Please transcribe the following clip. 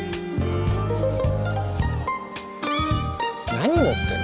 何持ってんの？